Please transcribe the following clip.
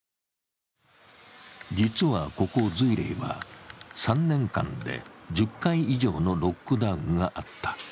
実は、ここ瑞麗は３年間で１０回以上のロックダウンがあった。